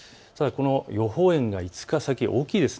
予報円が５日先、大きいです。